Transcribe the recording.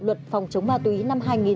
luật phòng chống ma túy năm hai nghìn